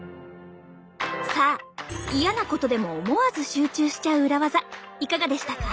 さあ嫌なことでも思わず集中しちゃう裏技いかがでしたか？